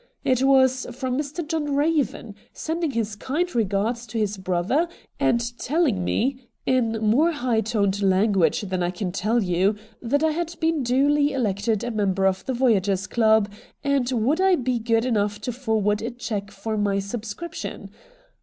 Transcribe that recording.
It was from Mr. John Eaven, send ing his kind regards to his brother, and telling me, in more high toned language than I can tell you, that I had been duly elected a member of the Voyagers' Club, and would I be good enough to forward a cheque for my subscription.